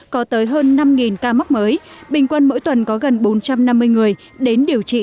có tới hơn năm ca mắc mới bình quân mỗi tuần có gần bốn trăm năm mươi người đến điều trị